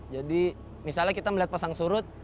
jadi misalnya kita melihat pasang surut